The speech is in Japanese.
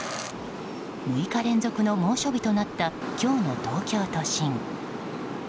６日連続の猛暑日となった今日の東京都心。